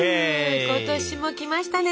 今年も来ましたね。